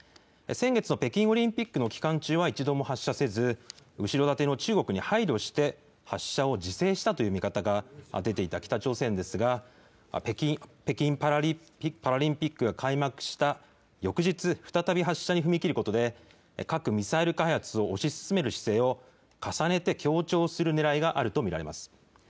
先月の北京オリンピックの期間中は一度も発射せず、後ろ盾の中国に配慮して、発射を自制したという見方が出ていた北朝鮮ですが、北京パラリンピックが開幕した翌日、再び発射に踏み切ることで、核・ミサイル開発を推し進める姿勢を、重ねて強調するねらいがあると見られます。